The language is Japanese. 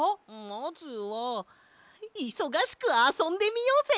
まずはいそがしくあそんでみようぜ。